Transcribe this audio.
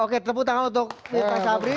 oke tepuk tangan untuk muka sabri